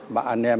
bà anh em